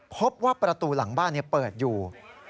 พบว่าประตูหลังบ้านเปิดอยู่